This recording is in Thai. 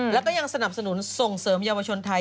แล้วก็ยังสนับสนุนส่งเสริมเยาวชนไทย